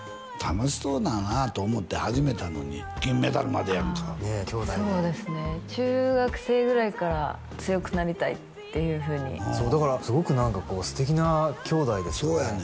楽しそうだなと思って始めたのに金メダルまでやんかそうですね中学生ぐらいから「強くなりたい」っていうふうにそうだからすごく何か素敵な兄妹ですよね